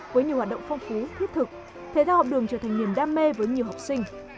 với nhiều hoạt động phong phú thiết thực thể thao học đường trở thành niềm đam mê với nhiều học sinh